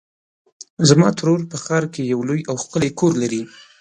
زما ترور په ښار کې یو لوی او ښکلی کور لري.